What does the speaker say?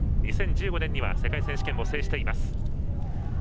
２０１５年には世界選手権を制しています。